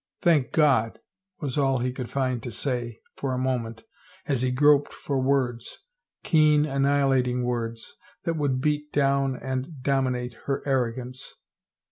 " Thank God," was all he could find to say for a moment, as he groped for words, keen annihilating words, that would beat down and dominate her arrogance.